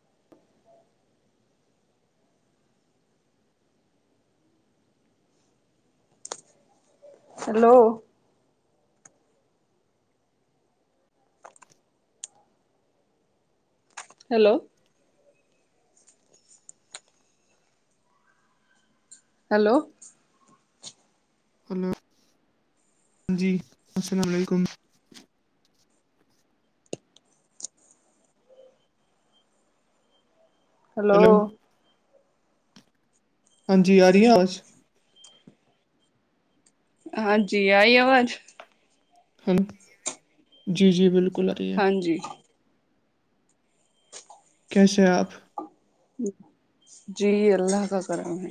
ا hello hello hello hello جی السلام علیکم ہلو ہاں جی آ رہ آج ہاں جی آئی آواز ہ نا جی جی بالکل آ رہی ہے ہاں جی کیس آپ [unintelligible] جی اللہ کا کرم ہے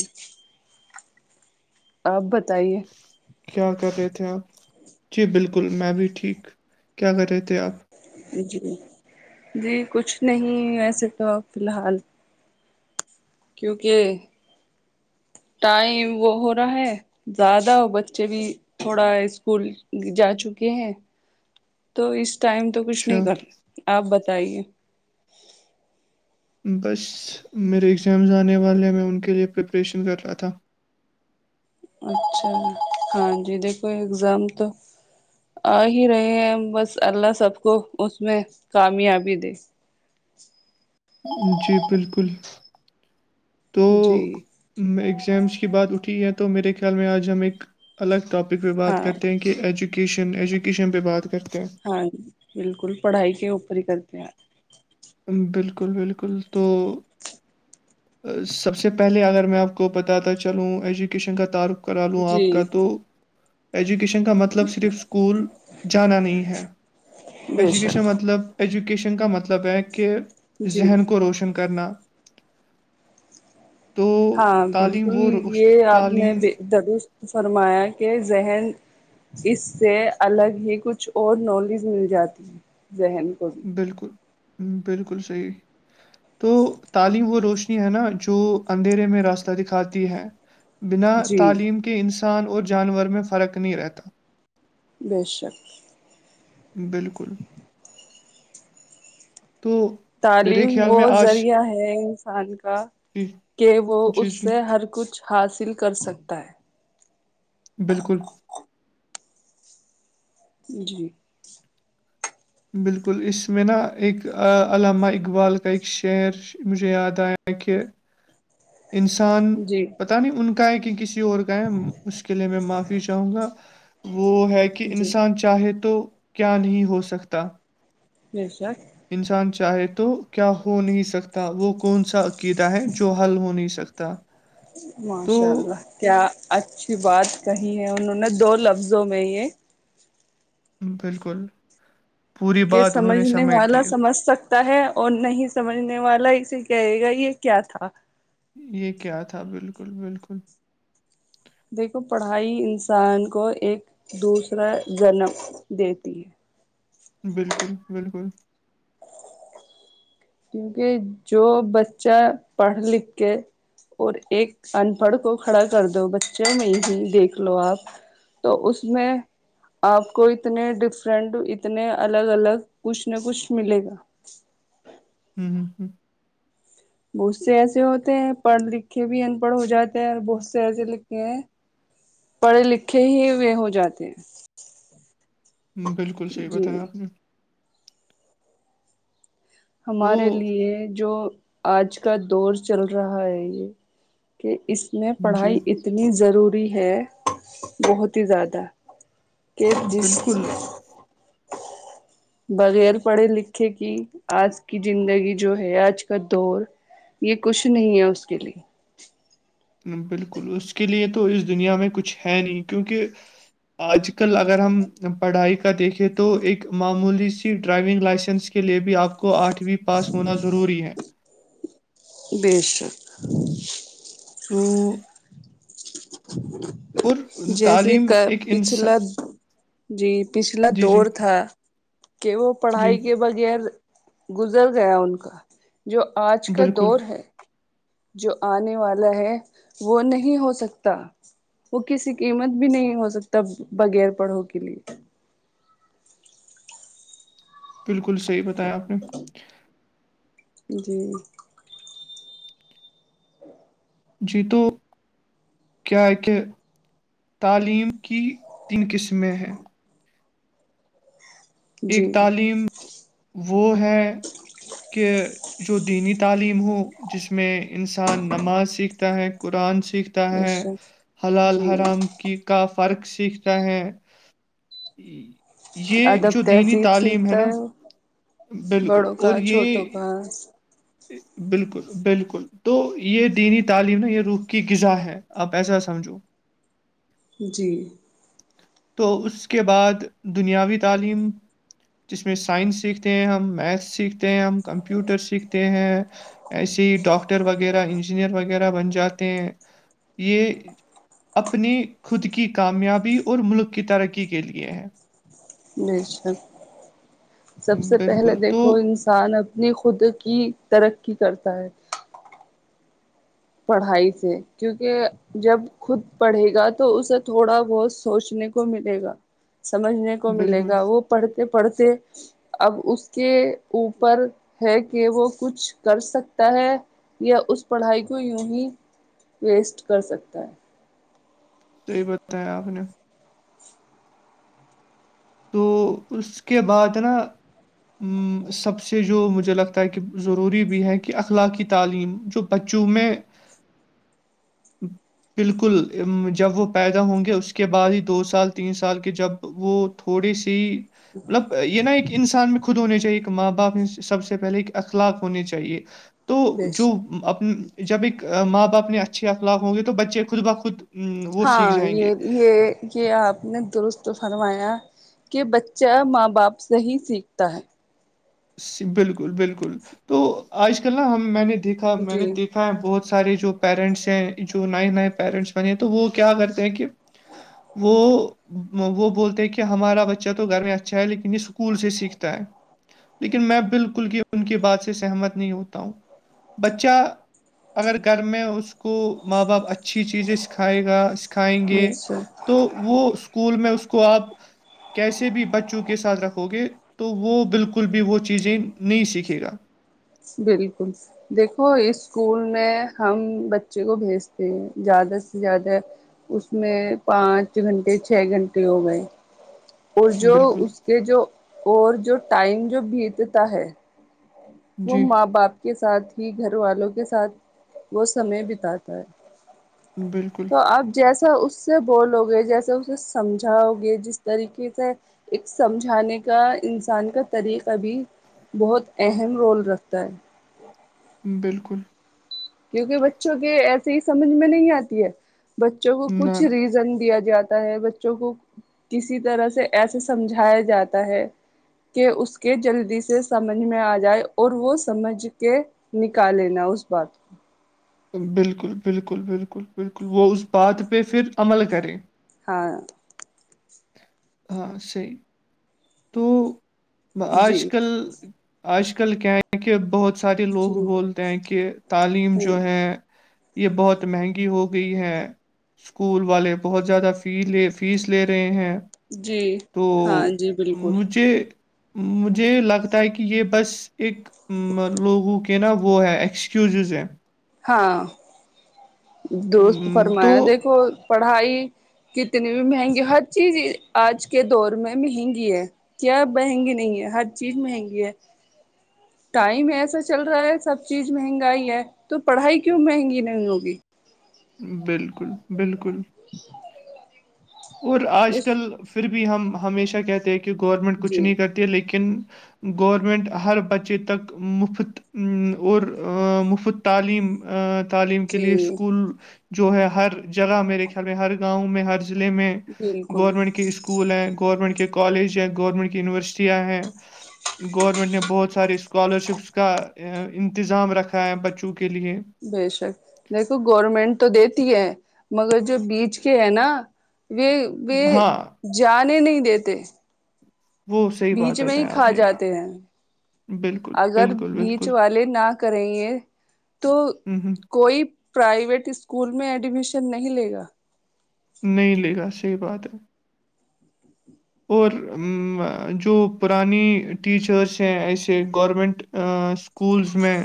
آپ بتائیے کیا کر رہے تھے آپ جی بالکل میں بھی ٹھیک کیا کر رہے تھے آپ جی جی کچھ نہیں ویسے تو اپ فی الحال کیونکہ ٹائم وہ ہو رہا ہے زیادہ ہو بچے بھی تھوڑا اسکول جا چکے ہیں تو اس ٹائم تو کچھ نہیں اچھا کر آپ بتائیے بس میرے ایگزامز آنے والے میں ان کے لیے پریپریشن کر رہا تھا اچھا ہاں جی دیکھو اگزام تو آ ہی رہے ہیں بس اللہ سب کو اس میں کامیابی دے جی بالکل تو جی میں ایگزامس کی بات اٹھی ہے تو میرے خیال میں آج ہم ایک الگ ٹاپک پہ بات ہاں کرتے ہیں کہ ایجوکیشن ایجوکیشن پہ بات کرتے ہیں ہاں بالکل پڑھائی کے اوپر ہی کرتے ہیں بالکل بالکل تو سب سے پہلے اگر میں آپ کو پتاتا چلوں ایجوکیشن کا تعارق کرا لوں آپ جی کا تو ایجوکیشن کا متلب مطلب صرف اسکول جانا نہیں ہے بے شک ایجوکیشن مطلب ایجوکیشن کا مطلب ہے کہ جی ذہن کو روشن کرنا تو ہاں تعلیم بالکل وہ روش یہ آپ نے تعلیم بے درست فرمایا کہ ذہن اس سے الگ ہی کچھ اور نالج مل جاتی ہے ذہن کو بھی بالکل بالکل صحیح تو تعلیم و روشنی ہے نا جو اندھیرے میں راستہ دکھاتی ہے بنا جی تعلیم کے کہ انسان اور جانور میں فرق نہیں رہتا بے شک [unintelligible] بالکل دو [unintelligible] تعلیم وہ ذریعہ ہے انسان کا جی کہ وہ جی اس جی سے ہر کچھ حاصل کر سکتا ہے بالکل جی [unintelligible] بالکل اس میں نا ایک علامہ اقبال کا ایک شعر مجھے یاد آیا کہ انسان جی پتا نہیں ان کا ہے کہ کسی اور کہیں اس کے لیے میں معافی چاہوں گا وہ ہے کہ جی انسان چ چاہے تو کیا نہیں ہو سکتا جیشا [unintelligible] انسان چاہے تو کیا ہو نہیں سکتا وہ کون سا عقیدہ ہے جو حل ہو نہیں سکتا تو ماشاء اللہ کیا اچھی بات کہی ہے انہوں نے دو لفظوں میں یہ بالکل پوری کہ بات انہوں نے سمجھنے سمیٹ والا دی ہے سمجھ سک ہے اور نہیں سمجھنے والا اسے کہے گا یہ کیا تھا یہ کیا تھا بالکل بالکل دیکھو پڑھائی انسان کو ایک دوسرا جنم دیتی ہے بالکل بالکل کیونکہ جو بچہ پڑھ لکھ کے اور ایک ان پڑھ کو کھڑا کر دو بچوں میں ہی دیکھ لو آپ تو اس میں آپ کو اتنے ڈفرنٹ اتنے الگ الگ کچھ نہ کچھ ملے گا ہوں ہ ہوں بہت سے ایسے ہوتے ہیں پڑھ لکھ کے بھی ان پڑھ ہو جاتے ہیں اور بہت سے ایسے لکھے ہیں پڑھے لکھے ہی ہوئے ہو جاتے ہیں بالکل صحیح جی بتایا آپ نے تو ہمارے لیے جو آج کا دور چل رہا ہے یہ کہ اس میں جی پڑھائی انی اتنی ضروری ہے بہت ہی زیادہ کہ جس بالکل بغیر پڑھے لکھے کی آج کی زندگی جو ہے آج کا دور یہ کچھ نہیں ہے اس کے لیے بالکل اس کے لیے تو اس دنیا میں کچھ ہے نہیں کیونکہ آج کل اگر ہم پڑھائی کا دیکھیں تو ایک معمولی سی ڈرائیونگ لائسنس کی لیئے بھی آپ کو آٹھویں پاس ہونا ضروری ہے بیشک تو اور ہ [inaudible] جیسے تعلیم کا ایک انسان پچھلا جی پچھلا جی جی دور تھا کہ وہ جی پڑھائی کے ب گر گزر گیا ان کا جو آج کا بالکل دور ہے جو آنے والا ہے وہ نہیں ہو سکتا وہ کسی قیمت بھی نہیں ہو سکتا بغیر پڑھو کے لیے بالکل صحیح بتایا آپ نے جی جی تو کیا کہ تعلیم کی تن قسمیں ہیں ایک جی تعلیم وہ ہے کہ جو دینی تعلیم ہو جس میں انسان نماز سیکھتا ہے قرآن سیکھتا ہے بشک حلال جی حرام کی کا فرق سیکھتا ہے یہ جو ادب دینی تہذیب تعلیم سیکھتا نا ہے بالکل بڑوں کا اور چھوٹوں یہ کا بالکل بالکل تو یہ دینی تعلیم یہ روخ کی غذا ہے آپ ایسا سمجھو جی تو اس کے بعد دنیاوی تعلیم جس میں سائنس سیکھتے ہیں ہم میتھ سیکھتے ہیں ہم کمپیوٹر سیکھتے ہیں ایسے ہی ڈاکٹر وغیرہ انجینئر وغیرہ بن جاتے ہیں یہ اپنی خود کی کامیابی اور ملک کی ترقی کے لیے ہے جی اچھا سب سے پہلے بالکل تو دیکھو انسان اب اپنی خود کی ترقی کرتا ہے پڑھائی سے کیونکہ جب خود پڑھے گا تو اسے تھوڑا بہت سوچنے کو ملے گا سمجھنے کو ملے بالکل گا وہ پڑھتے پڑھتے اب اس کے اوپر ہے کہ وہ کچھ کر سکتا ہے یا اس پڑھائی کو یوں ہی ویسٹ کر سکتا ہے صحی بتتایا آپ نے [unintelligible] تو اس کے بعد ہے نا سب سے جو مجھے لگتا ہے کہ ضروری بھی ہے کہ اخلاقی تعلیم جو بچوں میں ا ہی بالکل جب وہ پیدا ہوں گے اس کے بعد ہی دو سال تین سال کے جب وہ تھوڑی سی مطلب یہ نا ایک انسان میں خود ہونے چاہیے ایک ماں باپ میں سب سے پہلے ایک اخلاق ہونے چاہیے تو بے جو شک جب ایک ماں باپ نے اچھے اخلاق ہوں گے تو بچے خود بخود ام، وہ سیکھ ہاں جائیں یہ گے یہ یہ آپ نے درست فرمایا کہ بچہ ماں باپ سے ہی سیکھتا ہے بالکل بالکل تو آج کل نا ہم میں نے دیکھا میں نے جی دیکھ ہاں بہت سارے جو پیرنٹس ہیں جو نئے نئے پیرنٹس بنے ہیں تو وہ کیا کرتے ہیں کہ وہ وہ بولتے ہیں کہ ہمارا بچہ تو گھر میں اچھا ہے لیکن یہ اسکول سے سیکھتا ہے لیکن میں بالکل بھی ان کی بات سے سہمت نہیں ہوتا ہوں بچہ اگر گھر میں اس کو ماں باپ اچھی چیزیں سکھائے گا کھائیں گے بے شک تو وہ اسکول میں اس کو آپ کیسے بھی بچوں کے ساتھ رکھو گے تو وہ بالکل بھی وہ چیزیں نہیں سیکھے گا بالکل دیکھو اس اسکول میں ہم بچے کو بھیجتے ہیں زیادہ سے زیادہ اس میں پانچ گھنٹے چھ گھنٹے ہو گئے اور جو بالکل اس کے جو اور جو ٹائم جو بیتتا ہے وہ جی ماں باپ کے ساتھ ہی گھر والوں کے ساتھ وہ سمے بتااتا ہے بالکل تو آپ جیسا اس سے بولو گے جیسے اسے سمجھاؤ گے جس طریقے سے ایک سمجھانے کا انسان کا طریقہ بھی بہت اہم رول رکھتا ہے بالکل کیونکہ بچوں کے ایسے ہی سمجھ میں نہیں آتی ہے بچوں کو نہ کچھ نہ ریزن دیا جاتا ہے کو کسی طرح سے ایسے سمجھایا جاتا ہے کہ اس کے جلدی سے سمجھ میں آ جائے اور وہ سمجھ کے نکال لینا اس بات کو بالکل ہاں [inaudible] ہ سی تو جی آج کل آج کل کیا ہے کہ بہت س سارے جی لوگ بولتے ہیں کہ تعلیم ہ جو ہے یہ بہت مہنگی ہو گئی ہے اسکول والے بہت زیادہ فی لے فیس لے رہے ہیں جی تو ہاں جی بالکل مجھے مجھے لگتا ہے کہ یہ بس ایک لوگوں کے نا وہ ہے ایکسکیوزز ہیں ہاں دوست م، تو فرمایا دیکھو پڑھائی کتنی بھی مہنگی ہر چیز آج کے دور میں مہنگی ہے کیا مہنگی نہیں ہے ہر چیز مہنگی ہے ٹائم ایسا چل رہا ہے سب چیز مہنگائی ہے تو پڑھائی کیوں مہنگی نہیں ہوگی بالکل بالکل [inaudible] اور آج اس کل پھر بھی ہم ہمیشہ کہتے ہیں کہ گورنمنٹ کچھ جی نہیں کرتی ہے لیکن گورمنٹ ہر بچے تک مفت اور مفت تعلیم تعلیم کے لیے جی اسکول جو ہے ہر جگہ میرے خیال میں ہر گاؤں میں ہر ضلع میں بالکل گورنمنٹ کے اسک اسکول ہیں گورنمنٹ کے کالج ہیں گورنمنٹ کی یونیورسٹیاں ہیں گورنمنٹ نے بہت سارے اسکالرشپس کا انتظام رکھا ہے بچوں کے لیے بےشک دیکھو گورنمنٹ تو دیتی ہے مگر جو بیچ کے ہے نا و و ہاں جانے نہیں دیتے وہ صحیح بیچ بات میں ہی بتایا آپ کھا نے جاتے ہیں بالکل اگر بالکل بیچ بالکل والے ناک کریں ہیں تو ہوں ہوں کوئی پرائیویٹ اسکول میں ایڈمیشن نہیں لے گا نہیں لے گا صحیح بات ہے اور جو پرانی ٹیچرس ہیں ایسے گورمنٹ اسکولس میں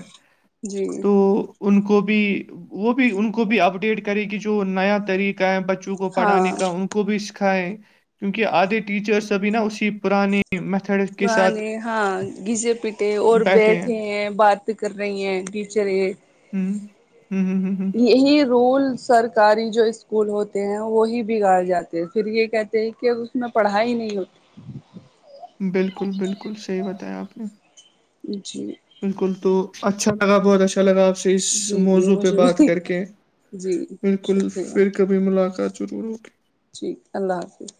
جی تو ان کو بھی وہ بھی ان کو بھی اپڈیٹ کرے گی جو نیا طریق بچوں کو پڑانے ہاں کا ہ کو بھی سکھائے کیونکہ آدھے ٹیچر سبھی نا اسی پرانانی یہ میتھڈ بے ہاں گزے پیٹے اور بیٹھے ہیں بات کر رہی ہیں ٹیچر ہوں ہ ہ ہ یہی رول سرکاری جو اسکول ہوتے ہیں وہی بگاڑ جاتے ہیں پھر یہ کہتے ہیں کہ میں پڑھائی ہی نہیں ہوتی بالکل بالکل صحیح بتایا آپ نے جی بالکل تو اچھا لگا بہت اچھا لگا آپ سے اس جی جی موضوع پہ مجھے بات بھی کر کے جی بالکل شکریہ پھر کے کبھی ملاقات ضرور ہوگی ٹھیک ہے اللہ حافظ